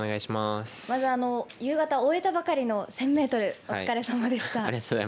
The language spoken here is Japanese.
まず、夕方終えたばかりの１０００ｍお疲れさまでした。